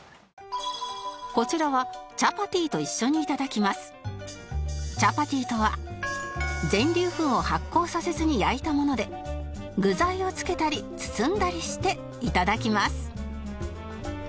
こちらはチャパティとは全粒粉を発酵させずに焼いたもので具材をつけたり包んだりして頂きます